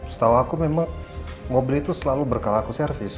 setahu aku memang mobil itu selalu berkala aku servis